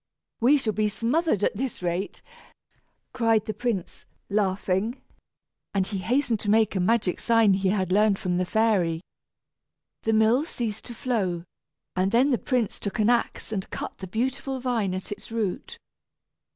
"We shall be smothered at this rate," cried the prince laughing, and he hastened to make a magic sign he had learned from the fairy. The mill ceased to flow, and then the prince took an axe and cut the beautiful vine at its root.